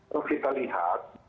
terus kita lihat